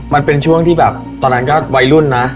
มันเป็นช่วงที่แบบตอนนั้นก็วัยรุ่นนะ